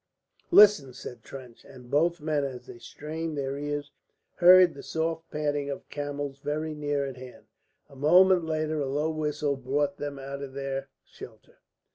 "Listen!" said Trench; and both men as they strained their ears heard the soft padding of camels very near at hand. A moment later a low whistle brought them out of their shelter.